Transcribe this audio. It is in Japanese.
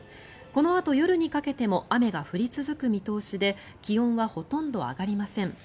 このあと夜にかけても雨が降り続く見通しで気温はほとんど上がりません。